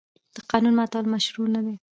د قانون ماتول مشروع نه دي.